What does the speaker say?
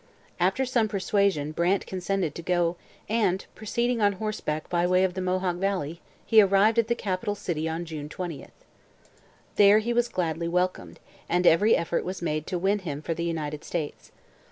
After some persuasion Brant consented to go and, proceeding on horseback by way of the Mohawk valley, he arrived at the capital city on June 20. There he was gladly welcomed, and every effort was made to win him for the United States.